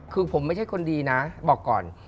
คือผมไม่ใช่คนดีนะบอกก่อน